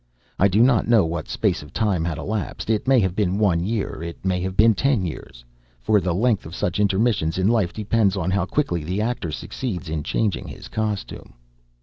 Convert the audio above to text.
I do not know what space of time had elapsed. It may have been one year, and it may have been ten years, for the length of such intermissions in life depends on how quickly the actor succeeds in changing his costume.